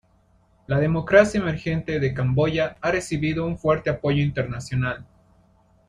La democracia emergente de Camboya ha recibido un fuerte apoyo internacional.